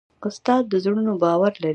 استاد د زړونو باور لري.